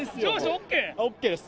ＯＫです。